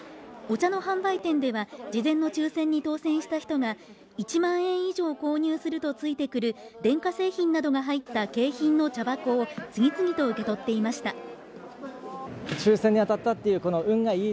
お茶の販売店では事前の抽選に当選した人が１万円以上購入するとついてくる電化製品などが入った景品の茶箱を次々と受け取っていました。